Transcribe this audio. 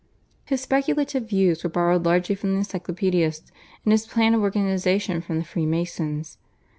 His speculative views were borrowed largely from the Encyclopaedists, and his plan of organisation from the Freemasons.